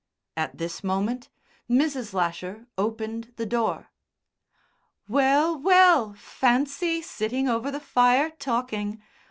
At this moment Mrs. Lasher opened the door. "Well, well. Fancy! Sitting over the fire talking!